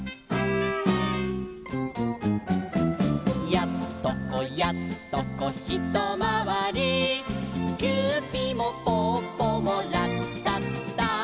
「やっとこやっとこひとまわり」「キューピもぽっぽもラッタッタ」